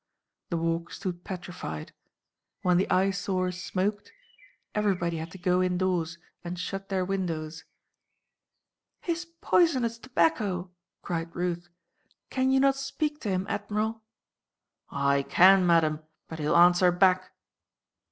The Walk stood petrified. When the Eyesore smoked, everybody had to go indoors and shut their windows. "His poisonous tobacco!" cried Ruth. "Can you not speak to him, Admiral?" "I can, Madam, but he'll answer back."